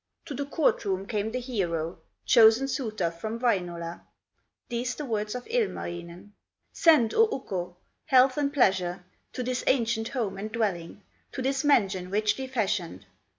To the court room came the hero, Chosen suitor from Wainola, These the words of Ilmarinen: "Send, O Ukko, health and pleasure To this ancient home and dwelling, To this mansion richly fashioned!"